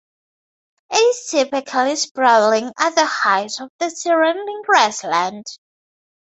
It is typically sprawling at the height of the surrounding grassland.